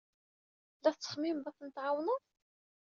La tettxemmimed ad ten-tɛawned?